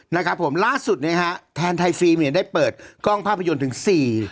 นะครับผมล่าสุดเนี่ยฮะแทนไทยฟิล์มเนี่ยได้เปิดกล้องภาพยนตร์ถึงสี่